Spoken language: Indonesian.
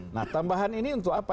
nah tambahan ini untuk apa